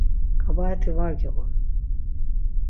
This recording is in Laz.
Ǩabaet̆i var giğun.